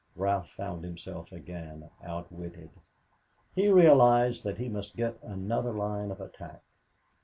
Ralph found himself again outwitted. He realized that he must get another line of attack.